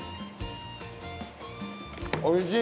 おいしい。